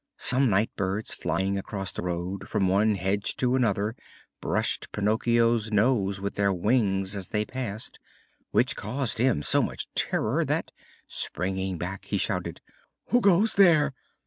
Some night birds flying across the road from one hedge to the other brushed Pinocchio's nose with their wings as they passed, which caused him so much terror that, springing back, he shouted: "Who goes there?"